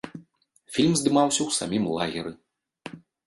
Фільм здымаўся ў самім лагеры.